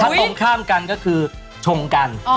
ถ้าตรงข้ามกันก็คือชงกัน